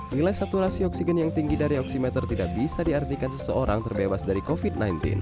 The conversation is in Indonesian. nilai saturasi oksigen yang tinggi dari oksimeter tidak bisa diartikan seseorang terbebas dari covid sembilan belas